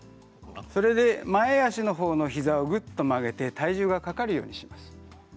それで前足のほうの膝をぐっと曲げて体重がかかるようにします。